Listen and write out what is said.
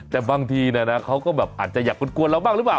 แต่บางทีเขาก็แบบอาจจะอยากกวนเราบ้างหรือเปล่า